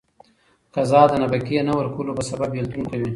قضا د نفقې نه ورکولو په سبب بيلتون کوي.